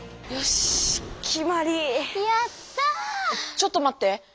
ちょっとまって！